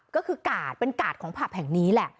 ก็คือกาดเป็นกาดของผับแห่งนี้แหละ